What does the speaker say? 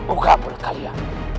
udah boleh kali ya